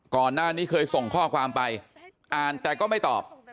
ก่อนหน้านี้เคยส่งข้อความไปอ่านแต่ก็ไม่ตอบ